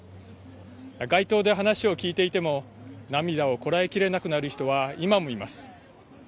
街頭で話を聞いていても涙をこらえきれなくなる人は今もいます。